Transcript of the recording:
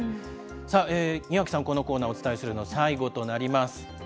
庭木さん、このコーナーお伝えするの最後となります。